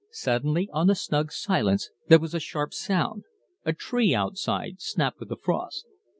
Suddenly on the snug silence there was a sharp sound. A tree outside snapped with the frost.